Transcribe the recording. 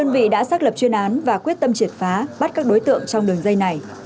đơn vị đã xác lập chuyên án và quyết tâm triệt phá bắt các đối tượng trong đường dây này